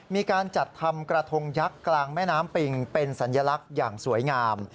มีการจัดทำกระทงยักษ์กลางแม่น้ำปิงเป็นสัญลักษณ์อย่างสวยงาม